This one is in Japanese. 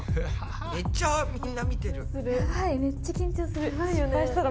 めっちゃみんな見てる。